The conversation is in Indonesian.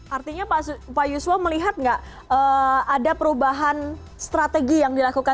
artinya pak yuswo melihat nggak ada perubahan strategi yang dilakukan